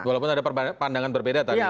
walaupun ada pandangan berbeda tadi